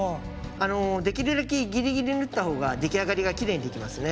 あのできるだけギリギリに縫った方が出来上がりがきれいにできますね。